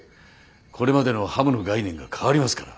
これまでのハムの概念が変わりますから。